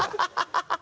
ハハハ